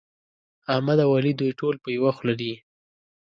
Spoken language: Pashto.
احمد او علي دوی ټول په يوه خوله دي.